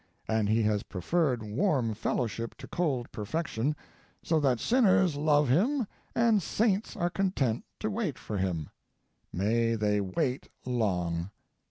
And he has preferred warm fellowship to cold perfection, so that sinners love him and saints are content to wait form. May they wait long.